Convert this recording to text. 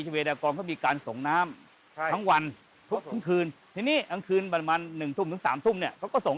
จัดให้มีการส่งน้ำทุกวัน